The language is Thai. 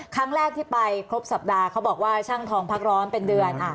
ครั้งแรกที่ไปครบสัปดาห์เขาบอกว่าช่างทองพักร้อนเป็นเดือน